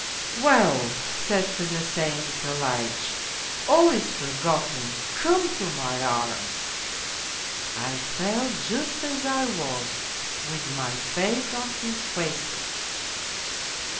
' Well,' said Fedosey Nikolaitch, ' all is forgotten, come to my arms !'" I fell just as I was, with my face on his waistcoat.